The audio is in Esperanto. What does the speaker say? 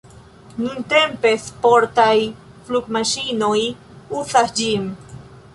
Nuntempe sportaj flugmaŝinoj uzas ĝin.